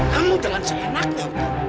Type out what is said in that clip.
kamu jalan selenakmu